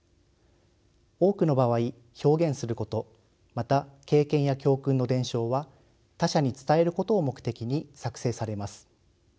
多くの場合表現することまた経験や教訓の伝承は他者に伝えることを目的に作成されます。